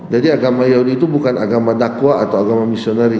jadi agama yahudi itu bukan agama dakwah atau agama misioneri